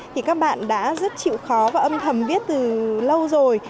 thì các bạn đã rất chịu khó và âm thầm biết từ lâu rồi